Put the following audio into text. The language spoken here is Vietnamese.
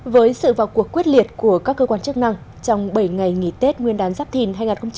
với sự vào cuộc quyết liệt của các cơ quan chức năng trong bảy ngày nghỉ tết nguyên đán giáp thìn hai nghìn hai mươi bốn